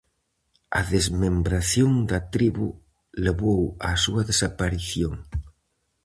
A desmembración da tribo levou á súa desaparición.